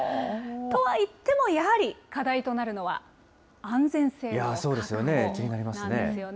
とはいっても、やはり課題となるのは安全性の確保なんですよね。